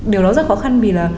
điều đó rất khó khăn vì là